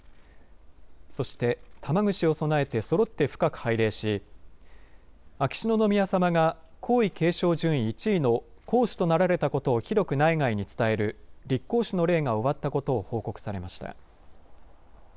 そして玉串を供えてそろって深く拝礼し秋篠宮さまが皇位継承順位１位の皇嗣となられたことを広く内外に伝える立皇嗣の礼が終わったことを報告されました。